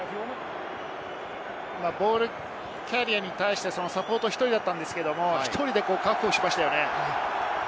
ボールキャリアーに対してサポート１人だったんですけれど、１人で確保しましたね。